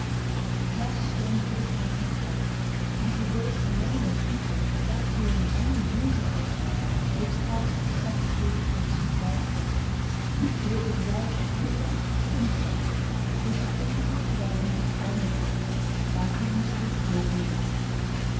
(Vv. 4821 4928.) Thus she entered upon her quest, and traversed many a country without hearing any news of him, which caused her such grief that she fell sick. But it was well for her that it happened so; for she came to the dwelling of a friend of hers, by whom she was dearly loved.